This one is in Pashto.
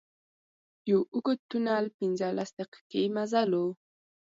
یو اوږد تونل پنځلس دقيقې مزل و.